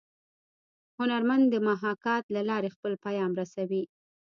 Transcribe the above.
هنرمن د محاکات له لارې خپل پیام رسوي